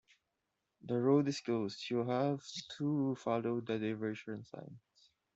The road is closed. You have to follow the diversion signs